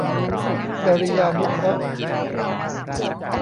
จริยานุเคราะห์